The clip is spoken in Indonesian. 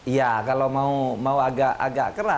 ya kalau mau agak agak